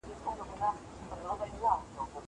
زه موبایل کارولی دی!